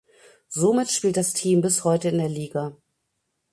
Somit spielt das Team bis heute in der Liga.